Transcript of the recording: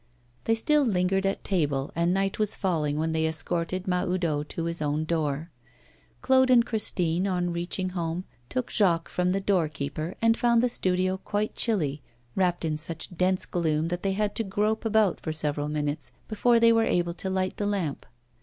They still lingered at table, and night was falling when they escorted Mahoudeau to his own door. Claude and Christine, on reaching home, took Jacques from the doorkeeper, and found the studio quite chilly, wrapped in such dense gloom that they had to grope about for several minutes before they were able to light the lamp.